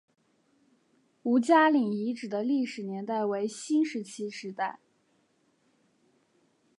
吴家岭遗址的历史年代为新石器时代。